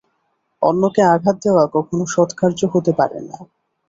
অন্যকে আঘাত দেওয়া কখনও সৎকার্য হতে পারে না।